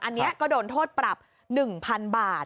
อันนี้ก็โดนโทษปรับ๑๐๐๐บาท